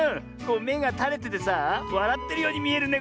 めがたれててさあわらってるようにみえるねこれ。